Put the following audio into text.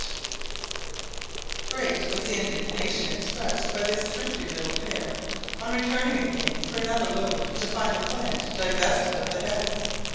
[Illustration: Red squirrel] Great was the indignation expressed by this thrifty little pair on returning again for another load to find the plant divested of the heads.